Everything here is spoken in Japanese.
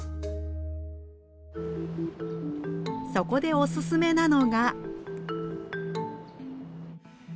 そこでおすすめなのが。